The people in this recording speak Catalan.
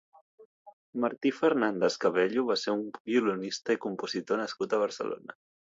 Martí Fernández Cabello va ser un violinista i compositor nascut a Barcelona.